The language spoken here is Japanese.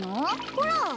ほら！